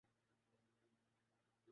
کس کی چاہ ہے